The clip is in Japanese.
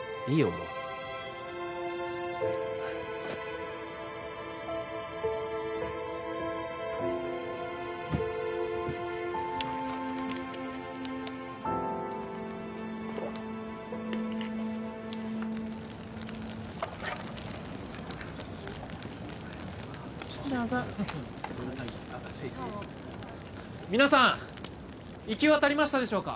もうどうぞ皆さん行き渡りましたでしょうか？